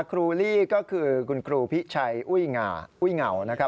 ครูลี่ก็คือคุณครูพิชัยอุ้ยเหงานะครับ